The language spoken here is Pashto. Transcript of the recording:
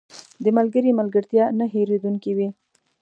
• د ملګري ملګرتیا نه هېریدونکې وي.